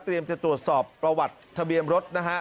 จะตรวจสอบประวัติทะเบียนรถนะฮะ